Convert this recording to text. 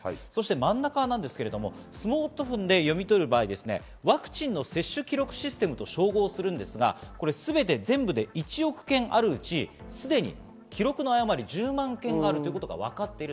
真ん中ですが、スマートフォンで読み取る場合、ワクチンの接種記録システムと照合するんですが、全て、全部で１億件あるうち、すでに記録の誤りが１０万件あるということがわかっています。